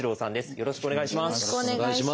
よろしくお願いします。